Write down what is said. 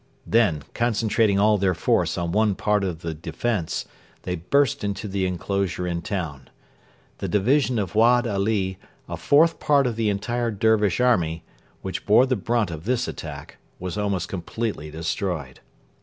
Then, concentrating all their force on one part of the defence, they burst into the enclosure and town. The division of Wad Ali, a fourth part of the entire Dervish army, which bore the brunt of this attack, was almost completely destroyed.